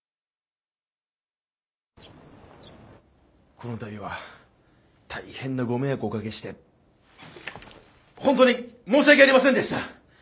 この度は大変なご迷惑をおかけして本当に申し訳ありませんでした！